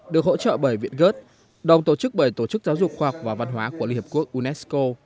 được hỗ trợ bởi viện gớt đồng tổ chức bởi tổ chức giáo dục khoa học và văn hóa của liên hiệp quốc unesco